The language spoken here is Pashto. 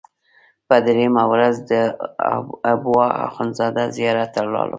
په درېیمه ورځ د حبوا اخندزاده زیارت ته لاړم.